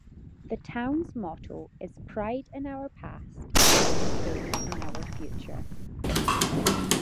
The town's motto is "Pride in our past, and faith in our future".